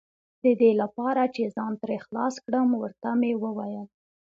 د دې لپاره چې ځان ترې خلاص کړم، ور ته مې وویل.